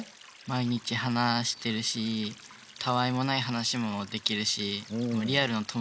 毎日話してるしたわいもない話もできるしリアルの友だちとも変わらない。